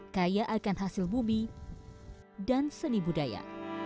kaya akan hasil bumi dan seni budaya